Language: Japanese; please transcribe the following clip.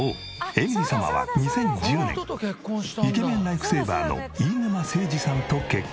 エミリ様は２０１０年イケメンライフセーバーの飯沼誠司さんと結婚。